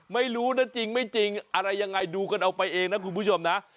ไม่รู้นะจริงไม่จริงอะไรยังไงดูกันเอาไปเองนะคุณผู้ชมนะ